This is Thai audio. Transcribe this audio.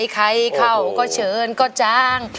ใครเข้าก็เชิญก็จ้าง